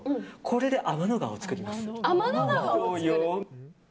これで天の川を作ります。